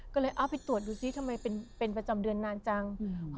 ก็เลยเอาไปตรวจดูซิทำไมเป็นประจำเดือนนานจัง